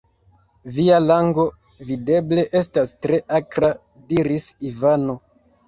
Via lango, videble, estas tre akra, diris Ivano.